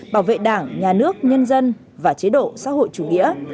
bảo vệ đảng nhà nước nhân dân và chế độ xã hội chủ nghĩa